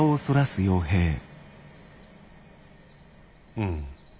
うん。